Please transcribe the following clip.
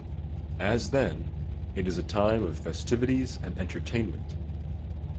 As then, it is a time of festivities and entertainment.